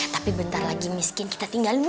tapi bentar lagi miskin kita tinggalin